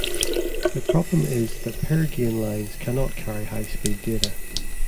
The problem is that pair gain lines cannot carry high speed data.